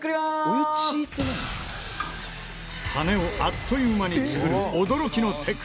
羽根をあっという間に作る驚きのテク